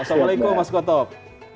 assalamualaikum mas otop